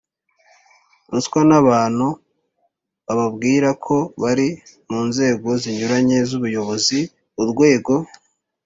ruswa n abantu bababwira ko bari mu nzego zinyuranye z ubuyobozi Urwego